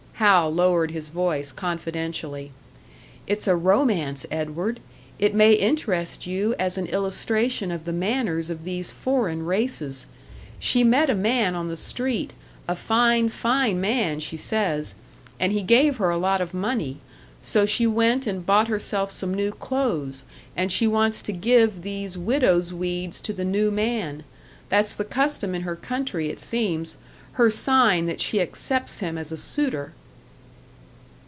Hal lowered his voice, confidentially. "It's a romance, Edward it may interest you as an illustration of the manners of these foreign races. She met a man on the street, a fine, fine man, she says and he gave her a lot of money. So she went and bought herself some new clothes, and she wants to give these widow's weeds to the new man. That's the custom in her country, it seems her sign that she accepts him as a suitor."